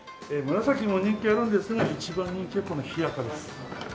紫も人気あるんですが一番人気はこの緋赤です。